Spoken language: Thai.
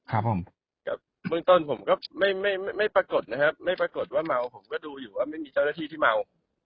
ครับผมกับเบื้องต้นผมก็ไม่ไม่ปรากฏนะครับไม่ปรากฏว่าเมาผมก็ดูอยู่ว่าไม่มีเจ้าหน้าที่ที่เมา